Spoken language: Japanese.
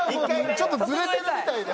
ちょっとズレてるみたいで。